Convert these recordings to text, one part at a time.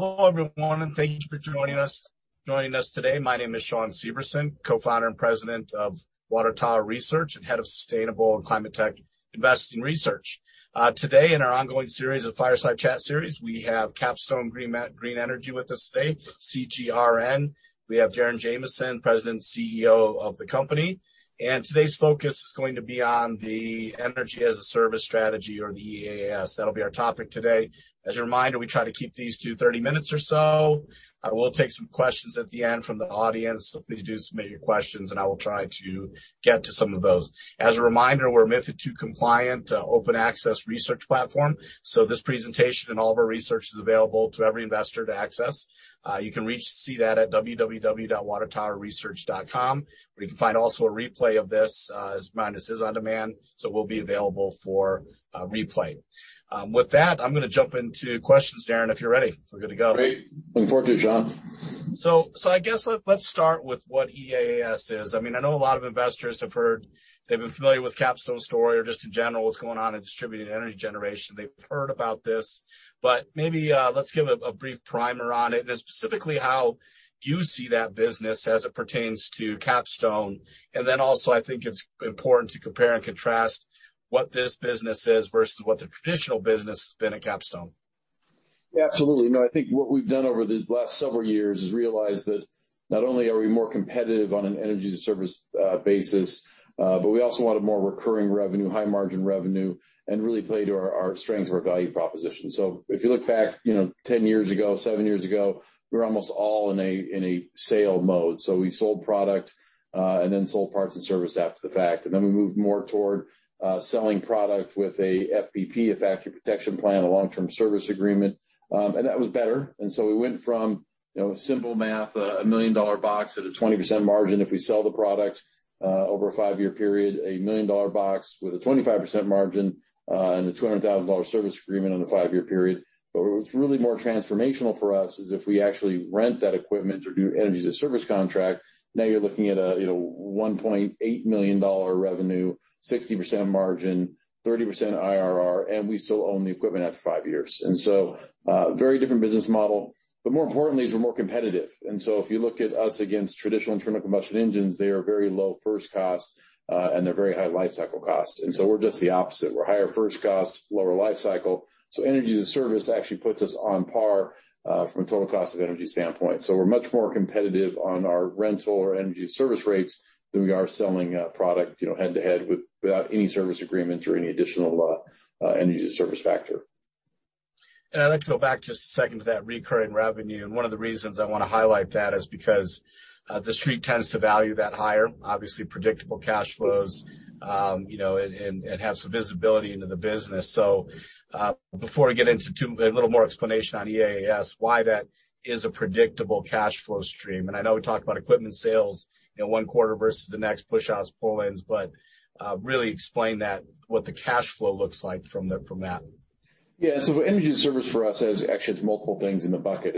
Hello, everyone, and thank you for joining us today. My name is Shawn Severson, Co-Founder and President of Water Tower Research, and Head of Sustainable and Climate Tech Investing Research. Today in our ongoing series of fireside chat series, we have Capstone Green Energy with us today, CGRN. We have Darren Jamison, President and CEO of the company. Today's focus is going to be on the Energy-as-a-Service strategy or the EaaS. That'll be our topic today. As a reminder, we try to keep these to 30 minutes or so. I will take some questions at the end from the audience. Please do submit your questions, and I will try to get to some of those. As a reminder, we're a MiFID II compliant, open access research platform. This presentation and all of our research is available to every investor to access. You can reach to see that at www.watertowerresearch.com, where you can find also a replay of this, as a reminder, this is on demand, so it will be available for replay. With that, I'm gonna jump into questions, Darren, if you're ready. We're good to go. Great. Looking forward to it, Shawn. I guess let's start with what EaaS is. I mean, I know a lot of investors have heard. They've been familiar with Capstone's story or just in general what's going on in distributed energy generation. They've heard about this, but maybe, let's give a brief primer on it and specifically how you see that business as it pertains to Capstone. I think it's important to compare and contrast what this business is versus what the traditional business has been at Capstone. Yeah, absolutely. No, I think what we've done over the last several years is realize that not only are we more competitive on an energy service basis, but we also wanted more recurring revenue, high margin revenue, and really play to our strength of our value proposition. If you look back, you know, 10 years ago, seven years ago, we were almost all in a sale mode. We sold product and then sold parts and service after the fact. Then we moved more toward selling product with a FPP, a Factory Protection Plan, a long-term service agreement. That was better. We went from, you know, simple math, a million-dollar box at a 20% margin if we sell the product, over a five-year period, a million-dollar box with a 25% margin, and a $200,000 service agreement on a five-year period. What's really more transformational for us is if we actually rent that equipment or do Energy-as-a-Service contract, now you're looking at a, you know, $1.8 million revenue, 60% margin, 30% IRR, and we still own the equipment after five years. Very different business model, but more importantly, is we're more competitive. If you look at us against traditional internal combustion engines, they are very low first cost, and they're very high lifecycle cost. We're just the opposite. We're higher first cost, lower lifecycle. Energy-as-a-Service actually puts us on par, from a total cost of energy standpoint. We're much more competitive on our rental or Energy-as-a-Service rates than we are selling product, you know, head-to-head without any service agreements or any additional, Energy-as-a-Service factor. I'd like to go back just a second to that recurring revenue. One of the reasons I wanna highlight that is because The Street tends to value that higher. Obviously, predictable cash flows, you know, and it has some visibility into the business. Before we get into a little more explanation on EaaS, why that is a predictable cash flow stream, and I know we talked about equipment sales in one quarter versus the next, push-outs, pull-ins, but really explain that, what the cash flow looks like from that. Energy-as-a-Service for us is actually it's multiple things in the bucket.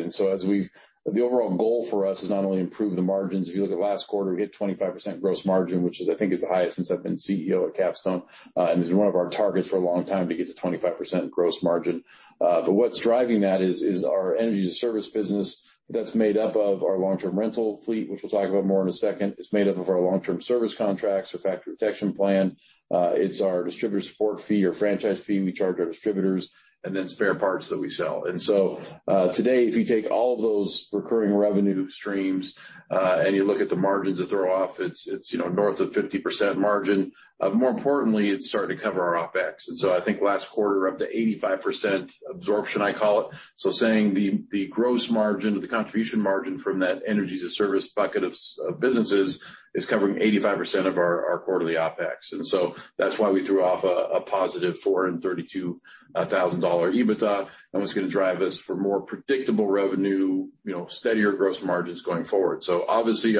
The overall goal for us is not only improve the margins. If you look at last quarter, we hit 25% gross margin, which, I think, is the highest since I've been CEO at Capstone. It's been one of our targets for a long time to get to 25% gross margin. What's driving that is our Energy-as-a-Service business that's made up of our long-term rental fleet, which we'll talk about more in a second. It's made up of our long-term service contracts, our Factory Protection Plan. It's our distributor support fee or franchise fee we charge our distributors, and then spare parts that we sell. Today, if you take all of those recurring revenue streams, and you look at the margins that throw off, it's, you know, north of 50% margin. More importantly, it's starting to cover our OpEx. I think last quarter, up to 85% absorption, I call it, saying the gross margin or the contribution margin from that Energy-as-a-Service bucket of businesses is covering 85% of our quarterly OpEx. That's why we threw off a positive $432,000 EBITDA, and what's gonna drive us for more predictable revenue, you know, steadier gross margins going forward. Obviously,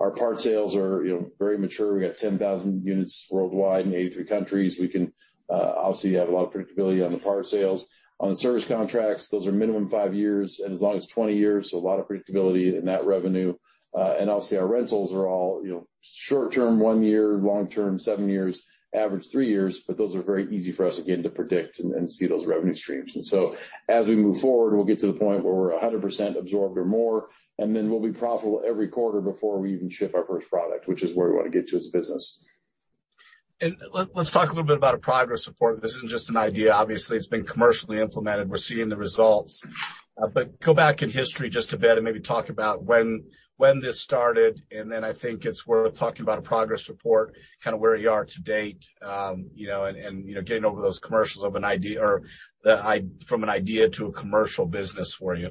our part sales are, you know, very mature. We got 10,000 units worldwide in 83 countries. We can obviously have a lot of predictability on the part sales. On the service contracts, those are minimum five years and as long as 20 years, so a lot of predictability in that revenue. And obviously, our rentals are all, you know, short-term, one year, long-term, seven years, average three years, but those are very easy for us, again, to predict and see those revenue streams. As we move forward, we'll get to the point where we're 100% absorbed or more, and then we'll be profitable every quarter before we even ship our first product, which is where we wanna get to as a business. Let's talk a little bit about a progress report. This isn't just an idea. Obviously, it's been commercially implemented. We're seeing the results. But go back in history just a bit and maybe talk about when this started, and then I think it's worth talking about a progress report, kind of where you are to date, you know, and you know, getting over those commercials of an idea from an idea to a commercial business for you.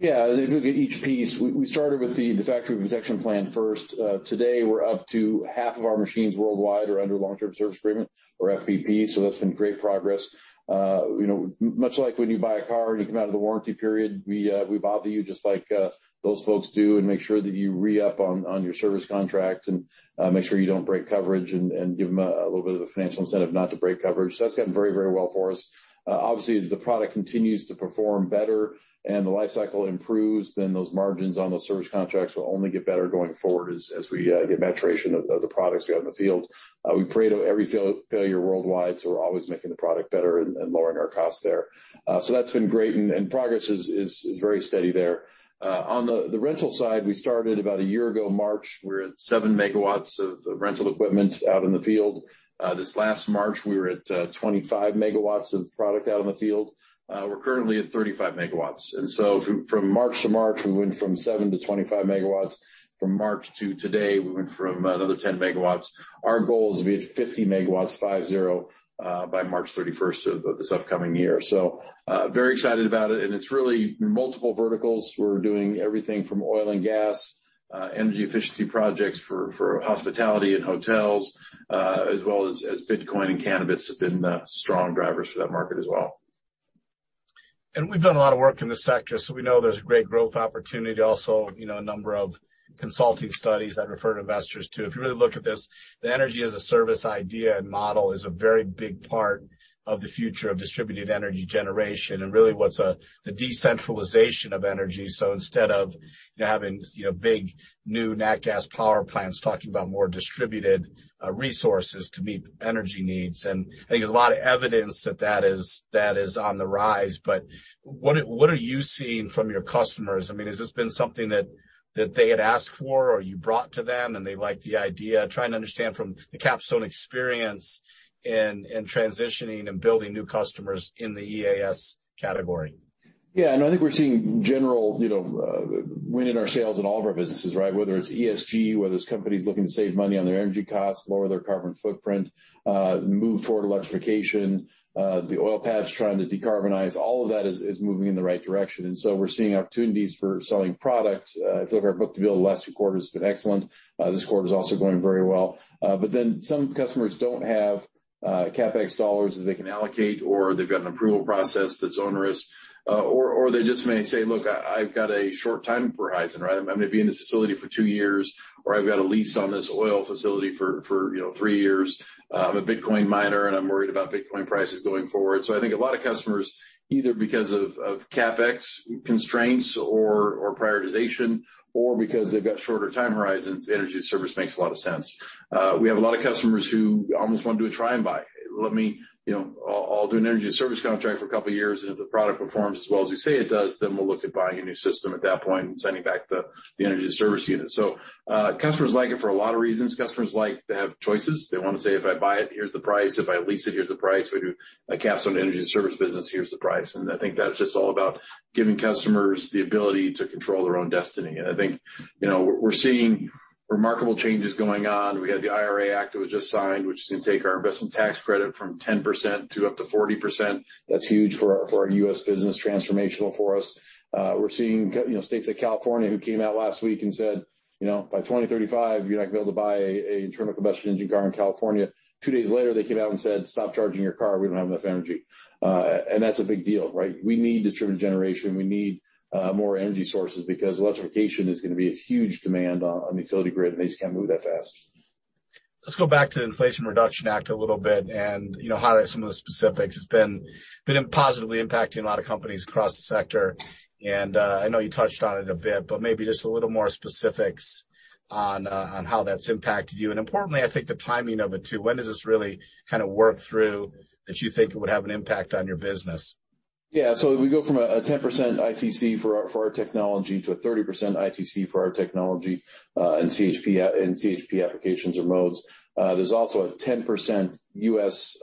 Yeah, if you look at each piece, we started with the Factory Protection Plan first. Today we're up to half of our machines worldwide are under long-term service agreement or FPP, so that's been great progress. You know, much like when you buy a car and you come out of the warranty period, we bother you just like those folks do and make sure that you re-up on your service contract and make sure you don't break coverage and give them a little bit of a financial incentive not to break coverage. That's gotten very, very well for us. Obviously, as the product continues to perform better and the life cycle improves, then those margins on those service contracts will only get better going forward as we get maturation of the products we have in the field. We pay for every failure worldwide, so we're always making the product better and lowering our costs there. So that's been great and progress is very steady there. On the rental side, we started about a year ago, March. We're at 7 MW of rental equipment out in the field. This last March, we were at 25 MW of product out in the field. We're currently at 35 MW. From March to March, we went from 7 MW to 25 MW. From March to today, we went from another 10 MW. Our goal is to be at 50 MW by March 31st of this upcoming year. Very excited about it, and it's really multiple verticals. We're doing everything from oil and gas, energy efficiency projects for hospitality and hotels, as well as Bitcoin and cannabis have been strong drivers for that market as well. We've done a lot of work in this sector, so we know there's great growth opportunity. Also, you know, a number of consulting studies I'd refer investors to. If you really look at this, the Energy-as-a-Service idea and model is a very big part of the future of distributed energy generation and really what's the decentralization of energy. Instead of having, you know, big new nat gas power plants, talking about more distributed resources to meet energy needs. I think there's a lot of evidence that is on the rise. What are you seeing from your customers? I mean, has this been something that they had asked for or you brought to them and they liked the idea? Trying to understand from the Capstone experience in transitioning and building new customers in the EaaS category. Yeah. No, I think we're seeing general, you know, win in our sales in all of our businesses, right? Whether it's ESG, whether it's companies looking to save money on their energy costs, lower their carbon footprint, move toward electrification, the oil patch trying to decarbonize, all of that is moving in the right direction. We're seeing opportunities for selling products. I feel like our book-to-bill the last few quarters has been excellent. This quarter is also going very well. Some customers don't have CapEx dollars that they can allocate, or they've got an approval process that's onerous, or they just may say, "Look, I've got a short time horizon, right? I'm gonna be in this facility for two years, or I've got a lease on this oil facility for, you know, three years. I'm a Bitcoin miner, and I'm worried about Bitcoin prices going forward." I think a lot of customers, either because of CapEx constraints or prioritization, or because they've got shorter time horizons, Energy-as-a-Service makes a lot of sense. We have a lot of customers who almost want to do a try and buy. Let me, you know, I'll do an energy service contract for a couple of years, and if the product performs as well as we say it does, then we'll look at buying a new system at that point and sending back the energy service unit. Customers like it for a lot of reasons. Customers like to have choices. They want to say, "If I buy it, here's the price. If I lease it, here's the price. We do a Capstone energy and service business, here's the price." I think that's just all about giving customers the ability to control their own destiny. I think, you know, we're seeing remarkable changes going on. We had the IRA Act that was just signed, which is gonna take our investment tax credit from 10% to up to 40%. That's huge for our U.S. business, transformational for us. We're seeing you know, states like California, who came out last week and said, you know, "By 2035, you're not gonna be able to buy a internal combustion engine car in California." Two days later, they came out and said, "Stop charging your car. We don't have enough energy." That's a big deal, right? We need distributed generation. We need more energy sources because electrification is gonna be a huge demand on the utility grid, and they just can't move that fast. Let's go back to the Inflation Reduction Act a little bit and, you know, highlight some of the specifics. It's been positively impacting a lot of companies across the sector. I know you touched on it a bit, but maybe just a little more specifics on how that's impacted you. Importantly, I think the timing of it too. When does this really kind of work through that you think it would have an impact on your business? Yeah. We go from a 10% ITC for our technology to a 30% ITC for our technology in CHP applications or modes. There's also a 10% U.S.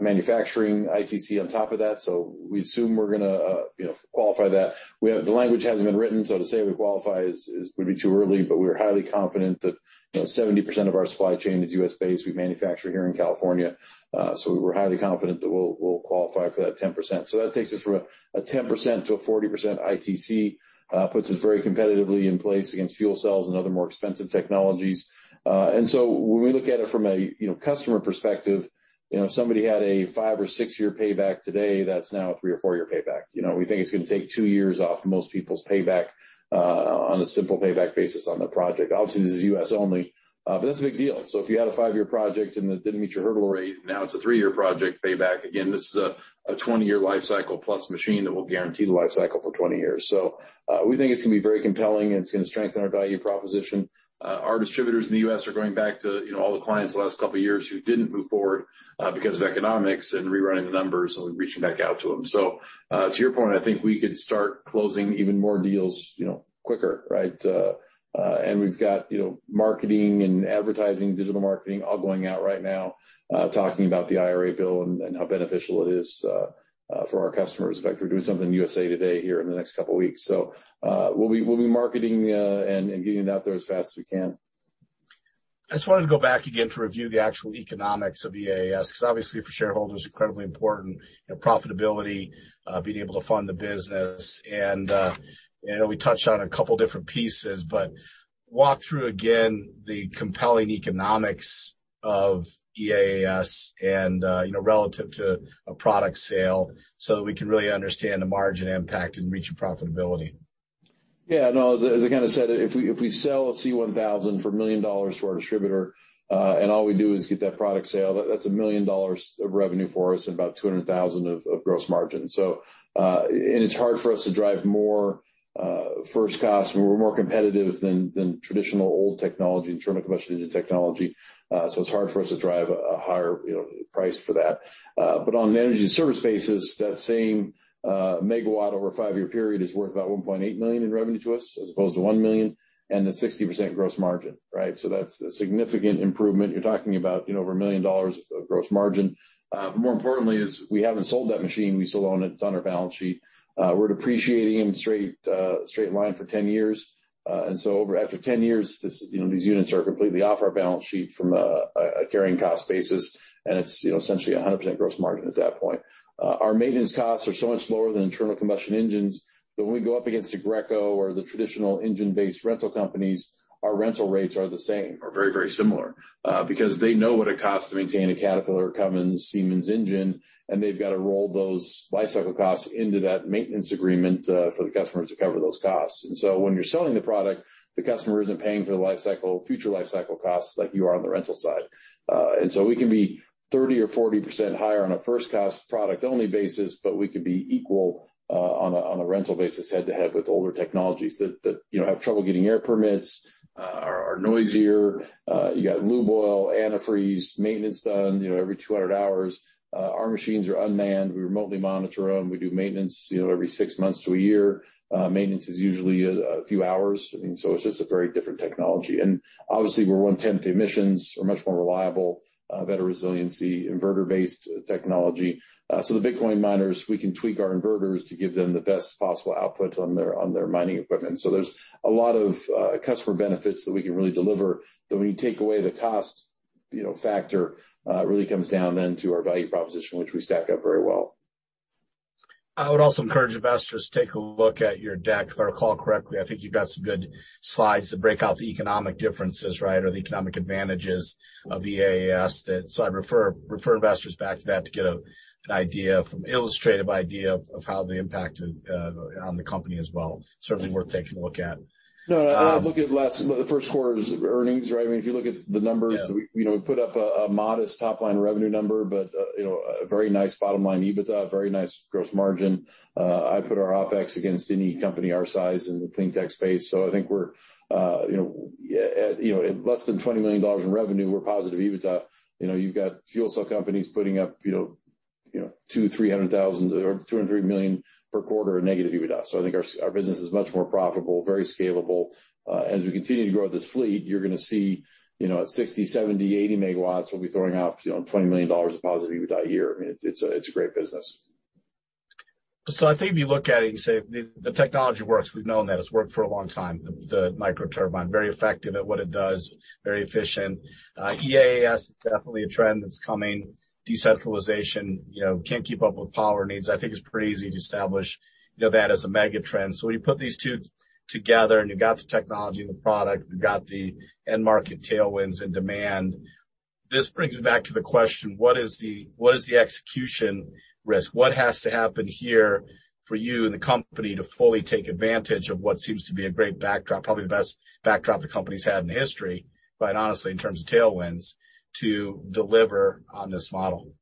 manufacturing ITC on top of that, so we assume we're gonna you know, qualify that. The language hasn't been written, so to say we qualify would be too early, but we're highly confident that you know, 70% of our supply chain is U.S.-based. We manufacture here in California, so we're highly confident that we'll qualify for that 10%. That takes us from a 10% to a 40% ITC, puts us very competitively in place against fuel cells and other more expensive technologies. When we look at it from a customer perspective, you know, if somebody had a five or six-year payback today, that's now a three or four-year payback. You know, we think it's gonna take two years off most people's payback on a simple payback basis on the project. Obviously, this is U.S. only, but that's a big deal. If you had a five-year project and it didn't meet your hurdle rate, now it's a three-year project payback. Again, this is a 20-year life cycle plus machine that will guarantee the life cycle for 20 years. We think it's gonna be very compelling, and it's gonna strengthen our value proposition. Our distributors in the U.S. are going back to, you know, all the clients the last couple of years who didn't move forward, because of economics and rerunning the numbers and reaching back out to them. To your point, I think we could start closing even more deals, you know, quicker, right? We've got, you know, marketing and advertising, digital marketing all going out right now, talking about the IRA bill and how beneficial it is for our customers. In fact, we're doing something USA Today here in the next couple of weeks. We'll be marketing and getting it out there as fast as we can. I just wanted to go back again to review the actual economics of EaaS, because obviously for shareholders, incredibly important, you know, profitability, being able to fund the business. you know, we touched on a couple of different pieces, but walk through again the compelling economics of EaaS and, you know, relative to a product sale so that we can really understand the margin impact and reach profitability. Yeah, no, as I kind of said, if we sell a C1000 for $1 million to our distributor, and all we do is get that product sale, that's $1 million of revenue for us and about $200,000 of gross margin. It's hard for us to drive more first cost when we're more competitive than traditional old technology, internal combustion engine technology. It's hard for us to drive a higher, you know, price for that. But on the energy service basis, that same megawatt over a five-year period is worth about $1.8 million in revenue to us, as opposed to $1 million and the 60% gross margin, right? That's a significant improvement. You're talking about, you know, over $1 million of gross margin. More importantly is we haven't sold that machine. We still own it. It's on our balance sheet. We're depreciating them straight in line for 10 years. After 10 years, this you know these units are completely off our balance sheet from a carrying cost basis, and it's you know essentially 100% gross margin at that point. Our maintenance costs are so much lower than internal combustion engines that when we go up against Aggreko or the traditional engine-based rental companies, our rental rates are the same or very very similar because they know what it costs to maintain a Caterpillar, Cummins, Siemens engine, and they've got to roll those lifecycle costs into that maintenance agreement for the customers to cover those costs. When you're selling the product, the customer isn't paying for the lifecycle, future lifecycle costs like you are on the rental side. We can be 30% or 40% higher on a first-cost product-only basis, but we could be equal on a rental basis head-to-head with older technologies that you know have trouble getting air permits, are noisier. You got lube oil, antifreeze, maintenance done, you know, every 200 hours. Our machines are unmanned. We remotely monitor them. We do maintenance, you know, every six months to a year. Maintenance is usually a few hours. I mean, so it's just a very different technology. Obviously we're one-tenth the emissions. We're much more reliable, better resiliency, inverter-based technology. The Bitcoin miners, we can tweak our inverters to give them the best possible output on their mining equipment. There's a lot of customer benefits that we can really deliver that when you take away the cost, you know, factor, it really comes down then to our value proposition, which we stack up very well. I would also encourage investors to take a look at your deck. If I recall correctly, I think you've got some good slides that break out the economic differences, right, or the economic advantages of EaaS that. I'd refer investors back to that to get an idea from illustrative idea of how the impact is, on the company as well. Certainly worth taking a look at. No, look at the first quarter's earnings, right? I mean, if you look at the numbers. Yeah. You know, we put up a modest top-line revenue number, but you know, a very nice bottom-line EBITDA, very nice gross margin. I put our OpEx against any company our size in the clean tech space. I think we're at less than $20 million in revenue, we're positive EBITDA. You know, you've got fuel cell companies putting up $200,000-$300,000 or $200-$300 million per quarter of negative EBITDA. I think our business is much more profitable, very scalable. As we continue to grow this fleet, you're gonna see at 60, 70, 80 MW, we'll be throwing off $20 million of positive EBITDA a year. I mean, it's a great business. I think if you look at it, you say the technology works. We've known that. It's worked for a long time. The micro turbine, very effective at what it does, very efficient. EaaS is definitely a trend that's coming. Decentralization, you know, can't keep up with power needs. I think it's pretty easy to establish, you know, that as a mega trend. When you put these two together and you've got the technology and the product, you've got the end market tailwinds and demand, this brings it back to the question, what is the execution risk? What has to happen here for you and the company to fully take advantage of what seems to be a great backdrop, probably the best backdrop the company's had in history, quite honestly, in terms of tailwinds, to deliver on this model?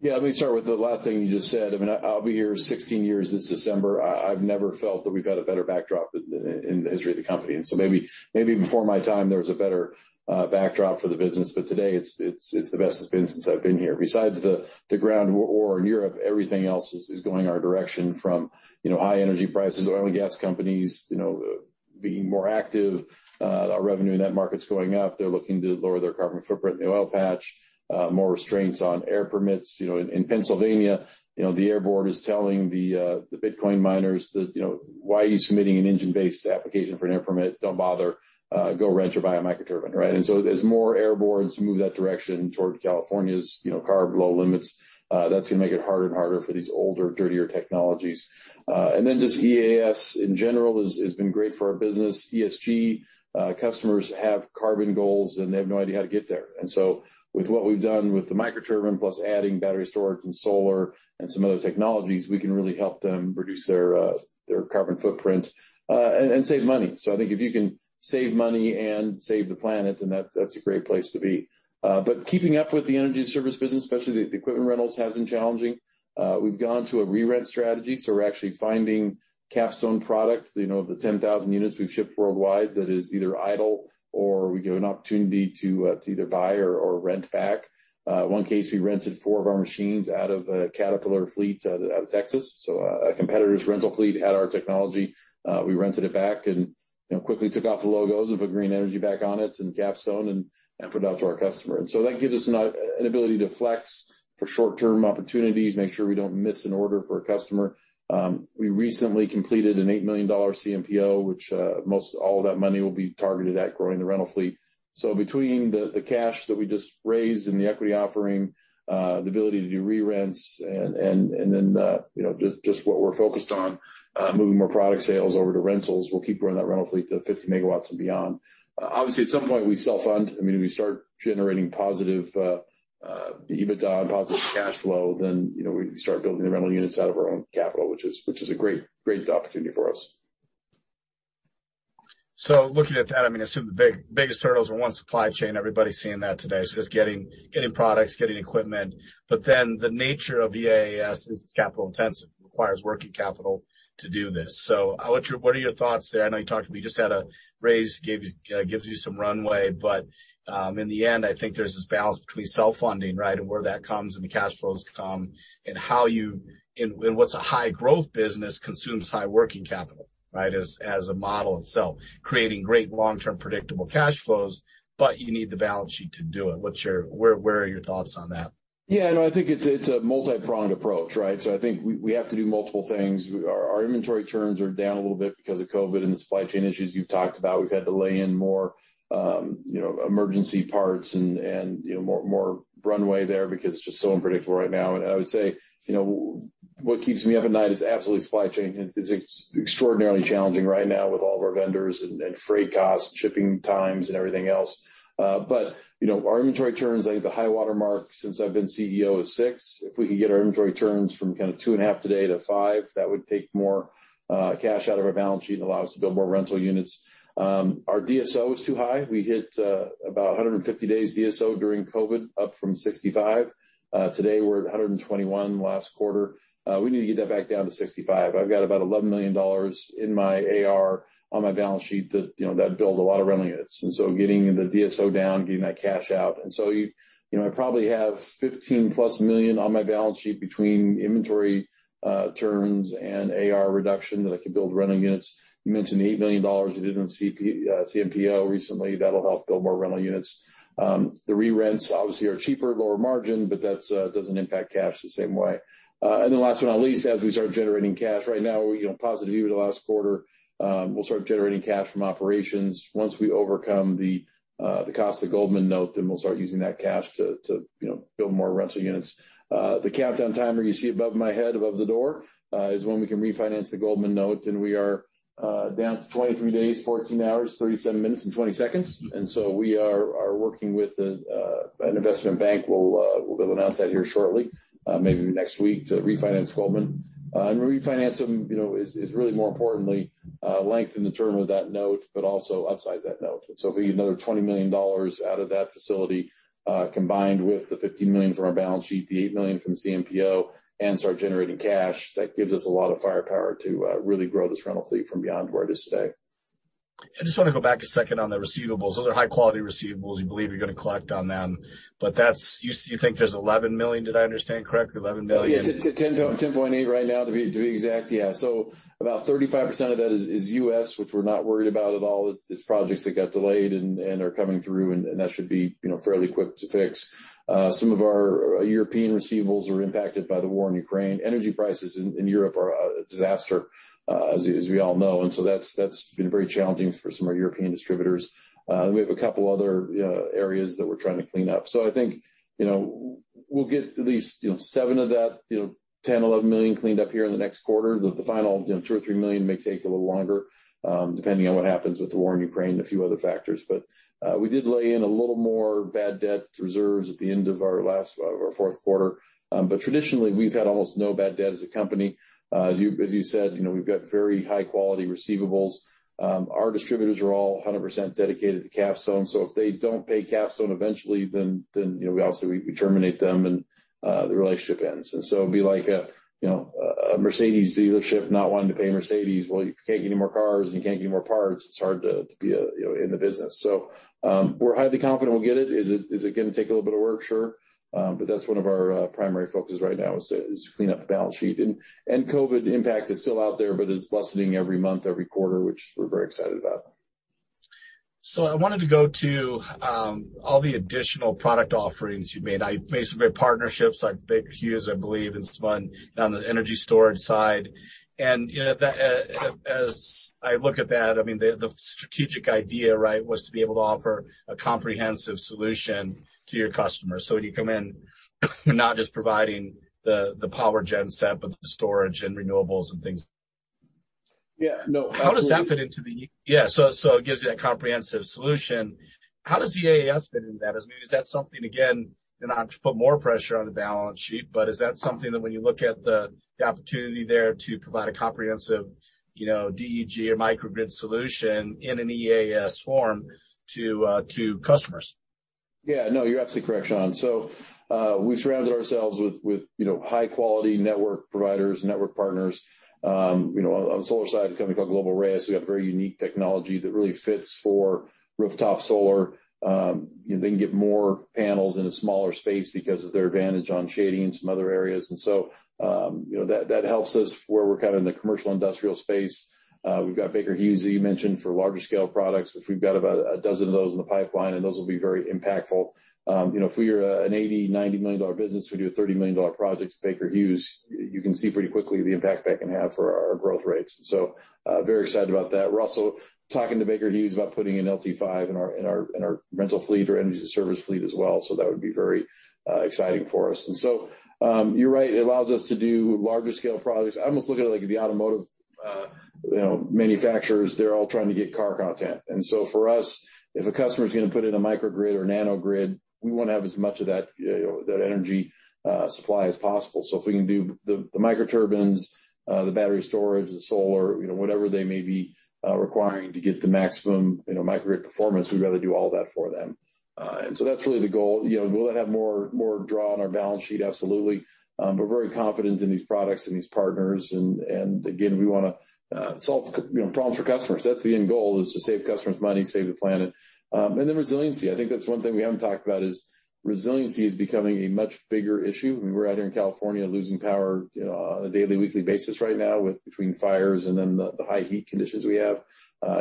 Yeah. Let me start with the last thing you just said. I mean, I'll be here 16 years this December. I've never felt that we've had a better backdrop in the history of the company. Maybe before my time, there was a better backdrop for the business. Today it's the best it's been since I've been here. Besides the ground war in Europe, everything else is going our direction from, you know, high energy prices, oil and gas companies, you know, being more active, our revenue in that market's going up. They're looking to lower their carbon footprint in the oil patch, more restraints on air permits. You know, in Pennsylvania, you know, the air board is telling the Bitcoin miners that, you know, "Why are you submitting an engine-based application for an air permit? Don't bother. Go rent or buy a micro turbine." Right? As more air boards move that direction toward California's, you know, CARB low limits, that's gonna make it harder and harder for these older, dirtier technologies. Just EaaS in general has been great for our business. ESG customers have carbon goals, and they have no idea how to get there. With what we've done with the micro turbine plus adding battery storage and solar and some other technologies, we can really help them reduce their carbon footprint and save money. I think if you can save money and save the planet, then that's a great place to be. Keeping up with the energy service business, especially the equipment rentals, has been challenging. We've gone to a re-rent strategy, so we're actually finding Capstone products, you know, of the 10,000 units we've shipped worldwide that is either idle or we get an opportunity to either buy or rent back. One case, we rented four of our machines out of a Caterpillar fleet out of Texas. A competitor's rental fleet had our technology. We rented it back. You know, quickly took off the logos and put Capstone Green Energy back on it and put it out to our customer. That gives us an ability to flex for short-term opportunities, make sure we don't miss an order for a customer. We recently completed an $8 million CMPO, which most all of that money will be targeted at growing the rental fleet. Between the cash that we just raised and the equity offering, the ability to do re-rents and then the, you know, just what we're focused on moving more product sales over to rentals, we'll keep growing that rental fleet to 50 MW and beyond. Obviously, at some point, we self-fund. I mean, we start generating positive EBITDA and positive cash flow, you know, we start building the rental units out of our own capital, which is a great opportunity for us. Looking at that, I mean, I assume the biggest hurdles are, one, supply chain. Everybody's seeing that today. Just getting products, getting equipment. Then the nature of EaaS is it's capital intensive. It requires working capital to do this. What are your thoughts there? I know you talked, you just had a raise, gives you some runway. In the end, I think there's this balance between self-funding, right, and where that comes and the cash flows come and how you and what's a high growth business consumes high working capital, right? As a model itself, creating great long-term predictable cash flows, but you need the balance sheet to do it. Where are your thoughts on that? Yeah. No, I think it's a multi-pronged approach, right? I think we have to do multiple things. Our inventory turns are down a little bit because of COVID and the supply chain issues you've talked about. We've had to lay in more, you know, emergency parts and, you know, more runway there because it's just so unpredictable right now. I would say, you know, what keeps me up at night is absolutely supply chain. It's extraordinarily challenging right now with all of our vendors and freight costs, shipping times, and everything else. You know, our inventory turns, like, the high water mark since I've been CEO is six. If we can get our inventory turns from kind of 2.5 today to five, that would take more cash out of our balance sheet and allow us to build more rental units. Our DSO is too high. We hit about 150 days DSO during COVID, up from 65. Today we're at 121 last quarter. We need to get that back down to 65. I've got about $11 million in my AR on my balance sheet that, you know, that build a lot of rental units. Getting the DSO down, getting that cash out. You know, I probably have $15+ million on my balance sheet between inventory turns and AR reduction that I could build rental units. You mentioned the $8 million we did on CMPO recently. That'll help build more rental units. The re-rents obviously are cheaper, lower margin, but that's doesn't impact cash the same way. Last but not least, as we start generating cash right now, we're positive EBITDA last quarter. We'll start generating cash from operations. Once we overcome the cost of Goldman note, then we'll start using that cash to, you know, build more rental units. The countdown timer you see above my head, above the door, is when we can refinance the Goldman note, and we are down to 23 days, 14 hours, 37 minutes and 20 seconds. We are working with an investment bank. We'll announce that here shortly, maybe next week, to refinance Goldman. Refinance them, you know, is really more importantly lengthen the term of that note, but also upsize that note. So if we get another $20 million out of that facility, combined with the $15 million from our balance sheet, the $8 million from the CMPO, and start generating cash, that gives us a lot of firepower to really grow this rental fleet beyond where it is today. I just want to go back a second on the receivables. Those are high-quality receivables. You believe you're gonna collect on them. That's. You think there's $11 million, did I understand correctly? $11 million? $10.8 million right now to be exact. About 35% of that is U.S., which we're not worried about at all. It's projects that got delayed and are coming through, and that should be, you know, fairly quick to fix. Some of our European receivables were impacted by the war in Ukraine. Energy prices in Europe are a disaster, as we all know. That's been very challenging for some of our European distributors. We have a couple other areas that we're trying to clean up. I think, you know, we'll get at least, you know, $7 million of that $10-$11 million cleaned up here in the next quarter. The final, you know, $2 million or $3 million may take a little longer, depending on what happens with the war in Ukraine and a few other factors. We did lay in a little more bad debt reserves at the end of our fourth quarter. Traditionally, we've had almost no bad debt as a company. As you said, you know, we've got very high-quality receivables. Our distributors are all 100% dedicated to Capstone. So if they don't pay Capstone eventually, then you know we terminate them and the relationship ends. It'd be like a, you know, a Mercedes dealership not wanting to pay Mercedes. Well, if you can't get any more cars and you can't get more parts, it's hard to be, you know, in the business. We're highly confident we'll get it. Is it gonna take a little bit of work? Sure. That's one of our primary focuses right now is to clean up the balance sheet. COVID impact is still out there, but it's lessening every month, every quarter, which we're very excited about. I wanted to go to all the additional product offerings you made. I basically partnerships like Baker Hughes, I believe, is one on the energy storage side. As I look at that, the strategic idea, right, was to be able to offer a comprehensive solution to your customers. When you come in, you're not just providing the power gen step of the storage and renewables and things. Yeah. No, absolutely. How does that fit into the? Yeah. It gives you that comprehensive solution. How does EaaS fit into that? I mean, is that something, again, you know, not to put more pressure on the balance sheet, but is that something that when you look at the opportunity there to provide a comprehensive, you know, DEG or microgrid solution in an EaaS form to customers? Yeah, no, you're absolutely correct, Shawn. We surrounded ourselves with you know, high-quality network providers, network partners. You know, on the solar side, a company called Global RAIS, we have very unique technology that really fits for rooftop solar. They can get more panels in a smaller space because of their advantage on shading and some other areas. You know, that helps us where we're kind of in the commercial industrial space. We've got Baker Hughes that you mentioned for larger scale products, which we've got about a dozen of those in the pipeline, and those will be very impactful. You know, if we are an $80-$90 million business, we do a $30 million project with Baker Hughes, you can see pretty quickly the impact that can have for our growth rates. Very excited about that. We're also talking to Baker Hughes about putting an NovaLT5 in our rental fleet or energy service fleet as well. That would be very exciting for us. You're right, it allows us to do larger scale projects. I almost look at it like the automotive, you know, manufacturers. They're all trying to get car content. For us, if a customer is gonna put in a microgrid or nanogrid, we wanna have as much of that, you know, that energy supply as possible. If we can do the microturbines, the battery storage, the solar, you know, whatever they may be, requiring to get the maximum, you know, microgrid performance, we'd rather do all that for them. That's really the goal. You know, will that have more draw on our balance sheet? Absolutely. We're very confident in these products and these partners and again, we wanna solve you know, problems for customers. That's the end goal, is to save customers money, save the planet. Resiliency. I think that's one thing we haven't talked about, is resiliency is becoming a much bigger issue. We were out here in California losing power, you know, on a daily, weekly basis right now with between fires and then the high heat conditions we have.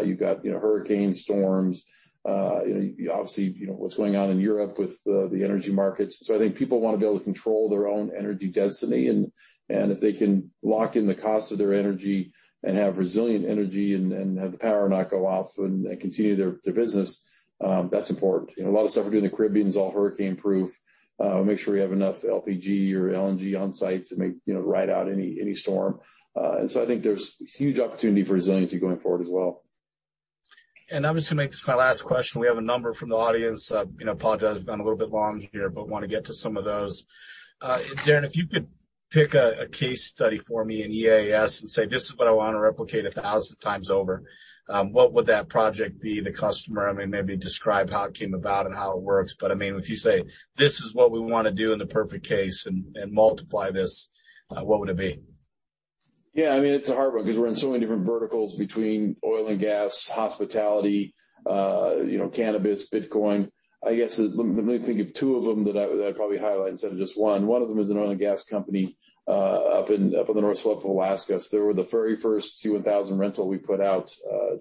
You've got, you know, hurricane storms, you know, obviously, you know, what's going on in Europe with the energy markets. I think people want to be able to control their own energy destiny. If they can lock in the cost of their energy and have resilient energy and have the power not go off and continue their business, that's important. You know, a lot of stuff we do in the Caribbean is all hurricane-proof. We make sure we have enough LPG or LNG on site to make you know, ride out any storm. I think there's huge opportunity for resiliency going forward as well. I'm just gonna make this my last question. We have a number from the audience. You know, I apologize. We've been a little bit long here, but want to get to some of those. Darren, if you could pick a case study for me in EaaS and say, "This is what I want to replicate 1,000x over," what would that project be? The customer, I mean, maybe describe how it came about and how it works. I mean, if you say, this is what we want to do in the perfect case and multiply this, what would it be? Yeah, I mean, it's a hard one because we're in so many different verticals between oil and gas, hospitality, you know, cannabis, Bitcoin. I guess let me think of two of them that I'd probably highlight instead of just one. One of them is an oil and gas company, up in the northwest of Alaska. They were the very first C1000 rental we put out,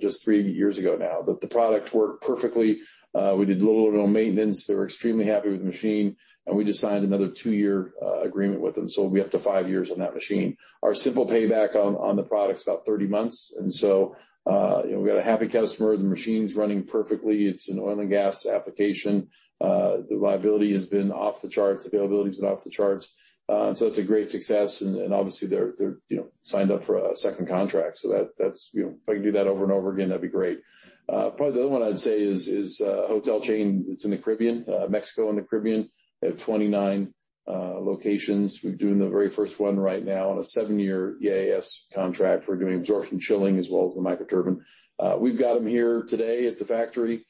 just three years ago now. The product worked perfectly. We did little to no maintenance. They were extremely happy with the machine, and we just signed another two-year agreement with them. We'll be up to five years on that machine. Our simple payback on the product's about 30 months. We got a happy customer. The machine's running perfectly. It's an oil and gas application. The reliability has been off the charts, availability's been off the charts. It's a great success. Obviously they're signed up for a second contract, so that's you know if I can do that over and over again, that'd be great. Probably the other one I'd say is a hotel chain that's in the Caribbean, Mexico and the Caribbean. They have 29 locations. We're doing the very first one right now on a seven-year EaaS contract. We're doing absorption chilling as well as the microturbine. We've got them here today at the factory.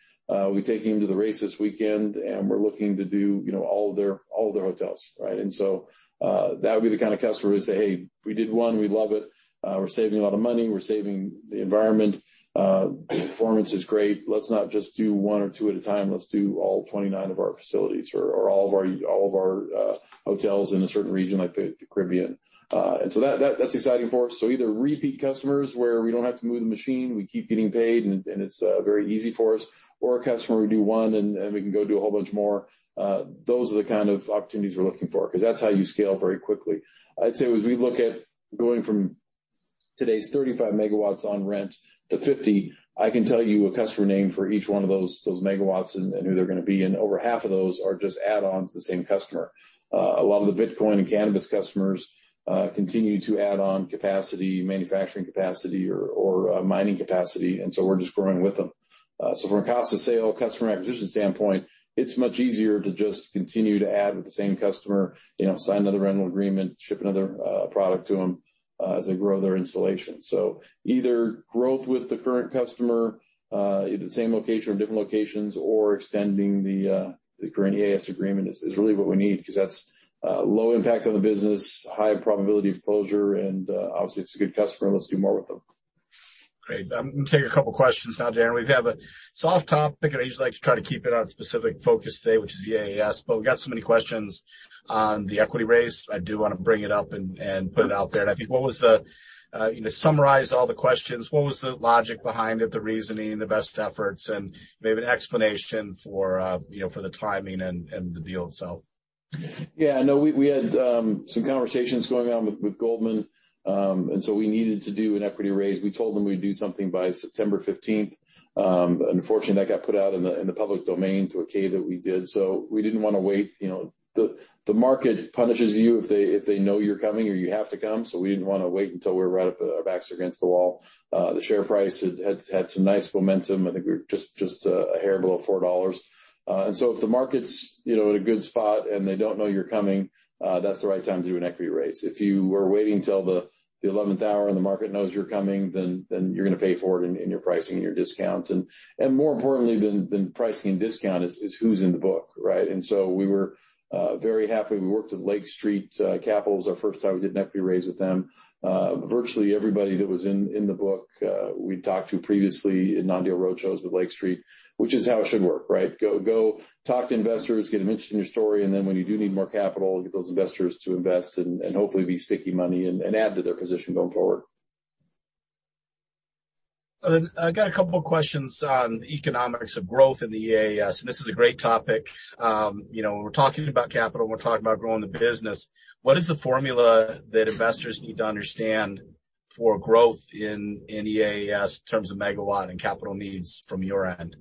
We take them to the race this weekend, and we're looking to do you know all of their hotels, right? That would be the kind of customer who say, "Hey, we did one. We love it. We're saving a lot of money. We're saving the environment. Performance is great. Let's not just do one or two at a time. Let's do all 29 of our facilities or all of our hotels in a certain region, like the Caribbean. That's exciting for us. Either repeat customers where we don't have to move the machine, we keep getting paid, and it's very easy for us or a customer we do one and we can go do a whole bunch more. Those are the kind of opportunities we're looking for, because that's how you scale very quickly. I'd say as we look at going from today's 35 MW on rent to 50, I can tell you a customer name for each one of those megawatts and who they're gonna be. Over half of those are just add-ons to the same customer. A lot of the Bitcoin and cannabis customers continue to add on capacity, manufacturing capacity or mining capacity, and so we're just growing with them. From a cost of sale customer acquisition standpoint, it's much easier to just continue to add with the same customer, you know, sign another rental agreement, ship another product to them as they grow their installation. Either growth with the current customer, in the same location or different locations or extending the current EaaS agreement is really what we need because that's low impact on the business, high probability of closure, and obviously it's a good customer. Let's do more with them. Great. I'm gonna take a couple of questions now, Darren. We have lots of topics, and I just like to try to keep it on specific focus today, which is EaaS, but we've got so many questions on the equity raise. I do want to bring it up and put it out there. I think, you know, summarize all the questions. What was the logic behind it, the reasoning, the best efforts, and maybe an explanation for, you know, for the timing and the deal itself? Yeah, no, we had some conversations going on with Goldman, and so we needed to do an equity raise. We told them we'd do something by September 15th. Unfortunately, that got put out in the public domain through an 8-K that we did. We didn't wanna wait. You know, the market punishes you if they know you're coming or you have to come. We didn't wanna wait until our backs are against the wall. The share price had some nice momentum. I think we're just a hair below $4. If the market's, you know, in a good spot and they don't know you're coming, that's the right time to do an equity raise. If you were waiting till the 11th hour and the market knows you're coming, then you're gonna pay for it in your pricing and your discount. More importantly than pricing and discount is who's in the book, right? We were very happy. We worked with Lake Street Capital. It's our first time we did an equity raise with them. Virtually everybody that was in the book we talked to previously in non-deal roadshows with Lake Street, which is how it should work, right? Go talk to investors, get them interested in your story, and then when you do need more capital, get those investors to invest and hopefully be sticky money and add to their position going forward. I got a couple of questions on economics of growth in the EaaS, and this is a great topic. You know, when we're talking about capital, when we're talking about growing the business, what is the formula that investors need to understand for growth in EaaS in terms of megawatt and capital needs from your end?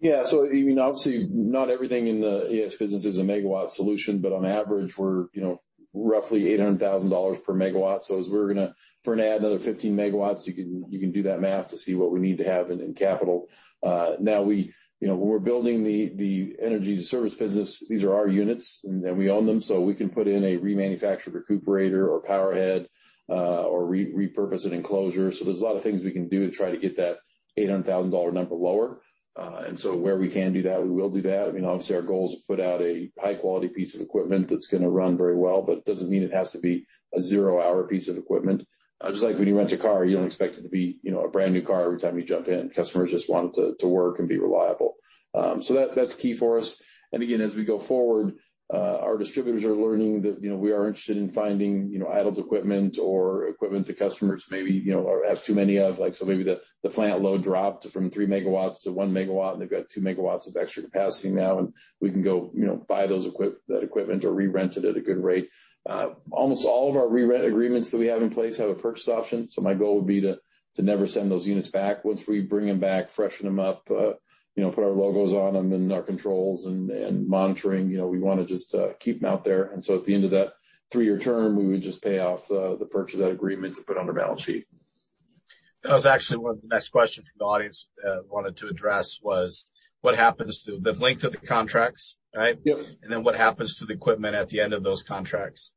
Yeah. I mean, obviously, not everything in the EaaS business is a megawatt solution, but on average, we're, you know, roughly $800,000 per megawatt. As we're gonna add another 15 MW, you can do that math to see what we need to have in capital. Now we, you know, we're building the energy service business. These are our units, and we own them, so we can put in a remanufactured recuperator or power head, or repurpose an enclosure. So there's a lot of things we can do to try to get that $800,000 number lower. Where we can do that, we will do that. I mean, obviously, our goal is to put out a high-quality piece of equipment that's gonna run very well, but it doesn't mean it has to be a zero-hour piece of equipment. Just like when you rent a car, you don't expect it to be, you know, a brand new car every time you jump in. Customers just want it to work and be reliable. So that's key for us. Again, as we go forward, our distributors are learning that, you know, we are interested in finding, you know, idled equipment or equipment to customers maybe, you know, or have too many of. Like, so maybe the plant load dropped from 3 MW to 1 MW, and they've got 2 MW of extra capacity now, and we can go, you know, buy that equipment or re-rent it at a good rate. Almost all of our re-rent agreements that we have in place have a purchase option, so my goal would be to never send those units back. Once we bring them back, freshen them up, you know, put our logos on them and our controls and monitoring, you know, we wanna just keep them out there. At the end of that three-year term, we would just pay off the purchase of that agreement to put on our balance sheet. That was actually one of the next questions from the audience wanted to address was what happens to the length of the contracts, right? Yep. What happens to the equipment at the end of those contracts?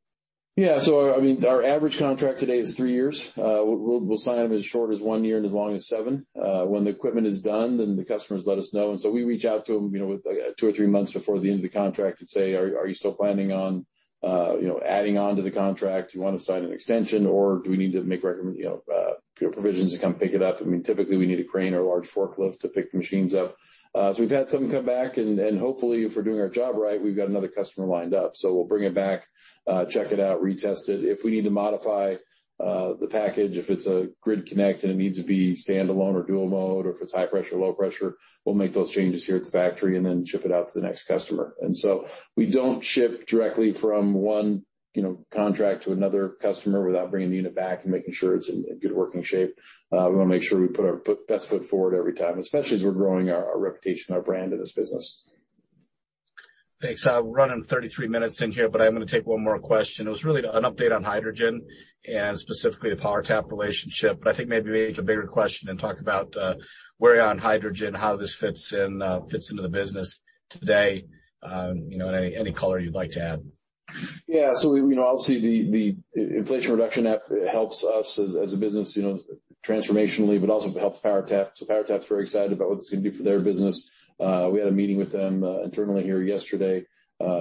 Yeah. I mean, our average contract today is three years. We'll sign them as short as one year and as long as seven. When the equipment is done, then the customers let us know. We reach out to them, you know, two or three months before the end of the contract and say, "Are you still planning on, you know, adding on to the contract? Do you wanna sign an extension, or do we need to make provisions to come pick it up?" I mean, typically, we need a crane or a large forklift to pick the machines up. We've had some come back, and hopefully, if we're doing our job right, we've got another customer lined up. We'll bring it back, check it out, retest it. If we need to modify the package, if it's a grid connect and it needs to be standalone or dual mode, or if it's high pressure or low pressure, we'll make those changes here at the factory and then ship it out to the next customer. We don't ship directly from one, you know, contract to another customer without bringing the unit back and making sure it's in good working shape. We wanna make sure we put our best foot forward every time, especially as we're growing our reputation, our brand in this business. Thanks. We're running 33 minutes in here, but I'm gonna take one more question. It was really an update on hydrogen and specifically the PowerTap relationship. I think maybe we need to make it a bigger question and talk about where are you on hydrogen, how this fits in, fits into the business today, you know, any color you'd like to add. Yeah. You know, obviously, the Inflation Reduction Act helps us as a business, you know, transformationally, but also helps PowerTap. PowerTap is very excited about what this is gonna do for their business. We had a meeting with them internally here yesterday.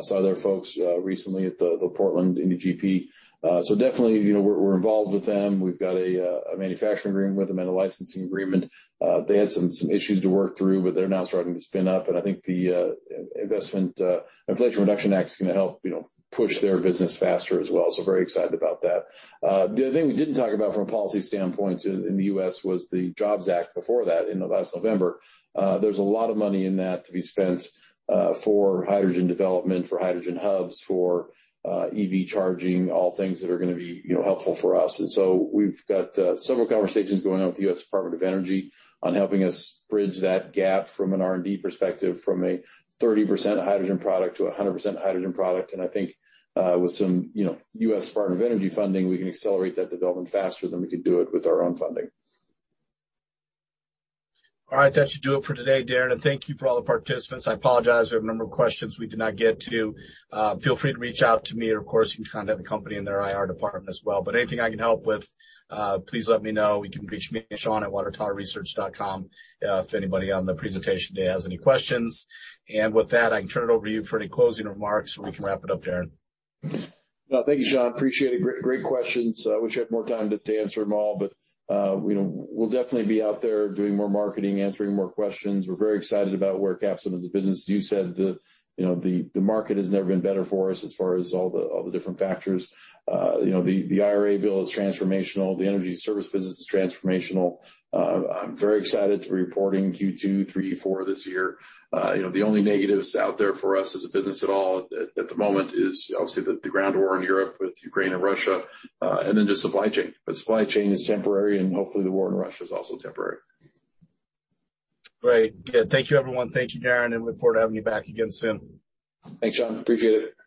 Saw their folks recently at the Grand Prix of Portland. Definitely, you know, we're involved with them. We've got a manufacturing agreement with them and a licensing agreement. They had some issues to work through, but they're now starting to spin up. I think the Inflation Reduction Act is gonna help, you know, push their business faster as well. Very excited about that. The other thing we didn't talk about from a policy standpoint in the U.S. was the Jobs Act before that in last November. There's a lot of money in that to be spent for hydrogen development, for hydrogen hubs, for EV charging, all things that are gonna be, you know, helpful for us. We've got several conversations going on with the U.S. Department of Energy on helping us bridge that gap from an R&D perspective, from a 30% hydrogen product to a 100% hydrogen product. I think with some, you know, U.S. Department of Energy funding, we can accelerate that development faster than we could do it with our own funding. All right. That should do it for today, Darren, and thank you for all the participants. I apologize, we have a number of questions we did not get to. Feel free to reach out to me, and of course, you can contact the company in their IR department as well. Anything I can help with, please let me know. You can reach me, shawn@watertowerresearch.com, if anybody on the presentation today has any questions. With that, I can turn it over to you for any closing remarks, and we can wrap it up, Darren. No. Thank you, Shawn. Appreciate it. Great questions. I wish I had more time to answer them all, but you know, we'll definitely be out there doing more marketing, answering more questions. We're very excited about where Capstone is a business. You said the market has never been better for us as far as all the different factors. You know, the IRA bill is transformational. The energy service business is transformational. I'm very excited to be reporting Q2, Q3, Q4 this year. You know, the only negatives out there for us as a business at all at the moment is obviously the ground war in Europe with Ukraine and Russia, and then just supply chain. But supply chain is temporary, and hopefully, the war in Russia is also temporary. Great. Good. Thank you, everyone. Thank you, Darren, and look forward to having you back again soon. Thanks, Shawn. Appreciate it.